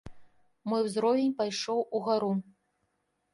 Мой узровень пайшоў угару.